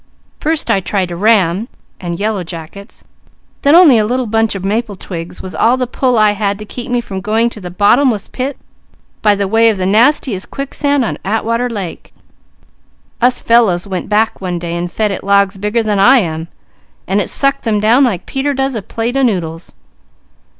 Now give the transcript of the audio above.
First I tried a ram and yellow jackets; then only a little bunch of maple twigs was all the pull I had to keep me from going to the bottomless pit by the way of the nastiest quicksand on Atwater Lake. Us fellows went back one day and fed it logs bigger than I am, and it sucked them down like Peter does a plate of noodles.